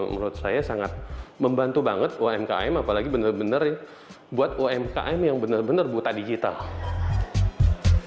menurut saya sangat membantu banget umkm apalagi benar benar buat umkm yang benar benar buta digital